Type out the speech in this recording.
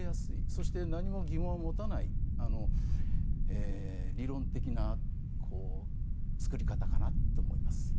そして何も疑問を持たない理論的な作り方かなと思います。